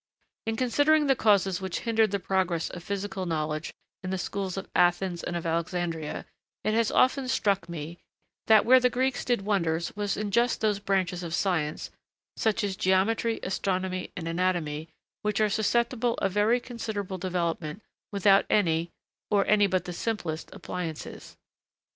In considering the causes which hindered the progress of physical knowledge in the schools of Athens and of Alexandria, it has often struck me[A] that where the Greeks did wonders was in just those branches of science, such as geometry, astronomy, and anatomy, which are susceptible of very considerable development without any, or any but the simplest, appliances.